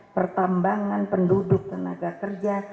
pertambangan penduduk tenaga kerja